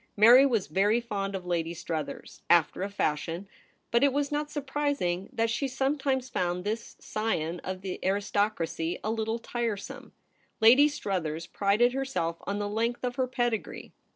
Mary was very fond of Lady Struthers, after a fashion ; but it was not surprising that she sometimes found this scion of the aris tocracy a little tiresome. Lady Struthers prided herself on the length of her pedigree.